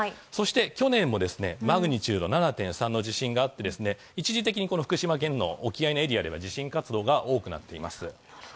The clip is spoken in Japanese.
そして去年もマグニチュード７．３の地震があって、一時的に福島県の沖合のエリアでは地震活動が多くなっています。